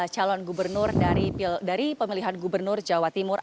calon gubernur dari pemilihan gubernur jawa timur